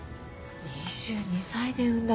２２歳で産んだの。